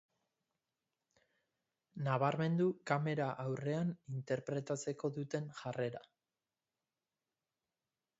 Nabarmendu kamera aurrean interpretatzeko duten jarrera.